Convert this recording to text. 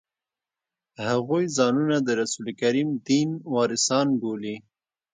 هغوی ځانونه د رسول کریم دین وارثان بولي.